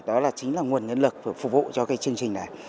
đó là chính là nguồn nhân lực phục vụ cho cái chương trình này